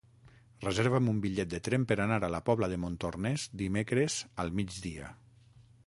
Reserva'm un bitllet de tren per anar a la Pobla de Montornès dimecres al migdia.